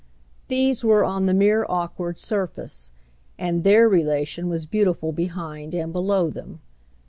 These were on the mere awkward surface, and their relation was beautiful behind and below them.